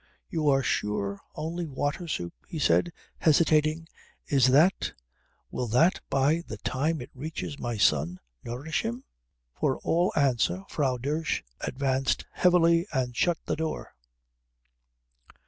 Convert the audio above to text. "You are sure only water soup?" he said, hesitating. "Is that will that by the time it reaches my son nourish him?" For all answer Frau Dosch advanced heavily and shut the door.